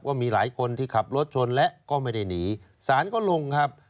ว่ามีหลายคนที่ขับรถชนและก็ไม่ได้หนีสารก็ลงครับ